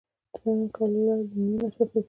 د پیوند کولو له لارې د میوو نسل ښه کیږي.